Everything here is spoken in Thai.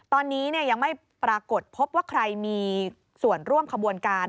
ตอนนี้ยังไม่ปรากฏพบว่าใครมีส่วนร่วมขบวนการ